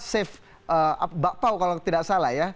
safe bakpao kalau tidak salah ya